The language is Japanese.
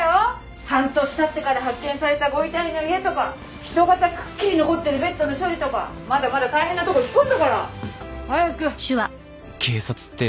半年経ってから発見されたご遺体の家とか人型くっきり残ってるベッドの処理とかまだまだ大変なとこいっぱいあるんだから。早く！